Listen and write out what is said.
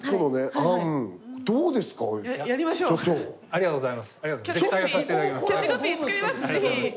ありがとうございます。